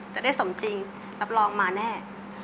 จะได้สมจริงรับรองมาแน่